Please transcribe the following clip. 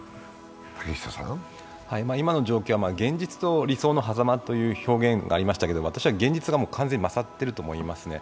今の状況は現実と理想の間という表現がありましたけど、私は現実が完全に勝っていると思いますね。